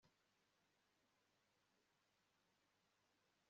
bari banteye, ariko baracemererwa